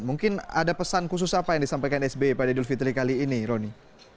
mungkin ada pesan khusus apa yang disampaikan sby pada idul fitri kali ini roni